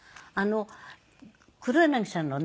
黒柳さんのね